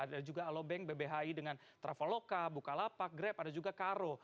ada juga alobank bbhi dengan traveloka bukalapak grab ada juga karo